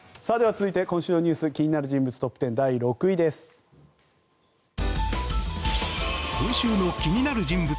続いて今週のニュース気になる人物